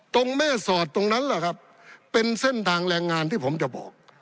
ตรงแม่สอดตรงนั้นแหละครับเป็นเส้นทางแรงงานที่ผมจะบอก